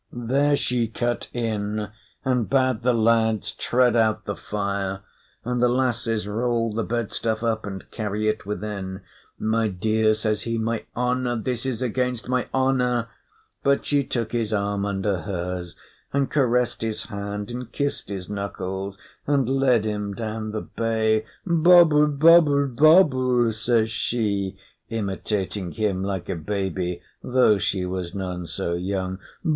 There she cut in, and bade the lads tread out the fire, and the lasses roll the bed stuff up and carry it within. "My dear," says he, "my honour this is against my honour." But she took his arm under hers, and caressed his hand, and kissed his knuckles, and led him down the bay. "Bubble bubble bubble!" says she, imitating him like a baby, though she was none so young.